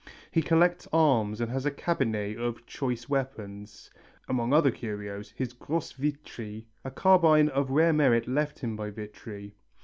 He collects arms and had a cabinet of choice weapons, among other curios, his grosse Vitri, a carbine of rare merit left him by Vitri.